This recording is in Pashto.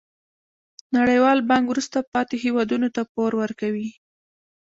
نړیوال بانک وروسته پاتې هیوادونو ته پور ورکوي.